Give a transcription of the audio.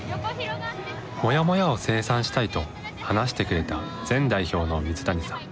モヤモヤを清算したいと話してくれた前代表の水谷さん。